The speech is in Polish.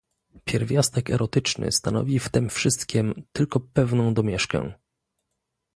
"Pierwiastek erotyczny stanowi w tem wszystkiem tylko pewną domieszkę."